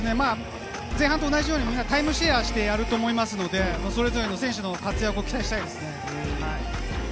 前半と同じようにタイムシェアしてやると思いますので、それぞれの選手の活躍を期待したいですね。